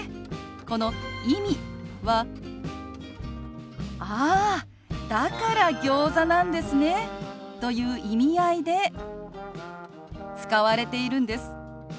この「意味」は「あーだからギョーザなんですね」という意味合いで使われているんです。